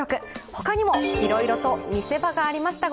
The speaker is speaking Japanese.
他にもいろいろと見せ場がありました。